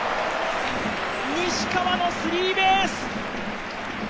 西川のスリーベース。